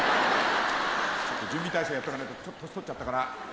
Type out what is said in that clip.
ちょっと準備体操やっとかないとちょっと年取っちゃったから。